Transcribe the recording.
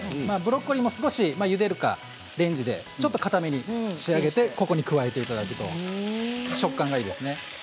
ブロッコリーも少しゆでるかレンジでちょっとかために仕上げてここに加えていただくと食感がいいですね。